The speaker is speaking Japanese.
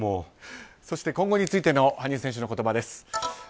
そして、今後についての羽生選手の言葉です。